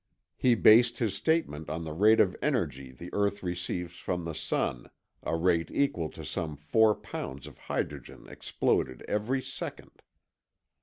He based his statement on the rate of energy the earth receives from the sun, a rate equal to some four pounds of hydrogen exploded every second.